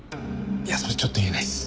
いやそれちょっと言えないです。